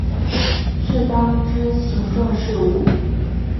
适当之行政事务